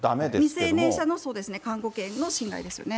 未成年者の、監護権の侵害ですよね。